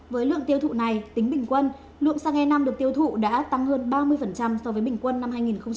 với lượng tiêu thụ này tính bình quân lượng xăng enam được tiêu thụ đã tăng hơn ba mươi so với bình quân năm hai nghìn một mươi bảy